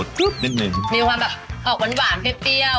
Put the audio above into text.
เจ้าผู้เข้ากับซอสมะขามหวานอมเปรี้ยว